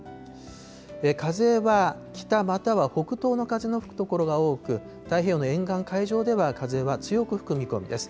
風は北、または北東の風の吹く所が多く、太平洋の沿岸海上では風は強く吹く見込みです。